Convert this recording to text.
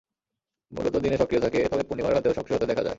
মূলত দিনে সক্রিয় থাকে, তবে পূর্ণিমা রাতেও সক্রিয় থাকতে দেখা যায়।